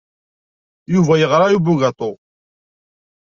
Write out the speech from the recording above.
Yuba yeɣra i ubugaṭu.